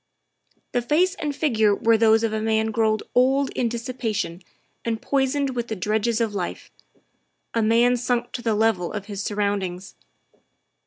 The face and figure were those of a man grown old in dissipation and poisoned with the dregs of life a man sunk to the level of his surroundings.